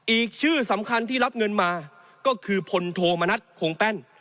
อีกชื่อสำคัญที่รับเงินมาก็คือพลโทมณัฐคงแป้น